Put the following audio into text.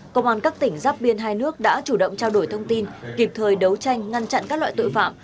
công an các tỉnh giáp biên hai nước đã chủ động trao đổi thông tin kịp thời đấu tranh ngăn chặn các loại tội phạm